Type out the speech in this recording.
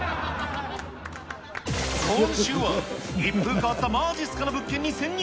今週は、一風変わったまじっすかな物件に潜入。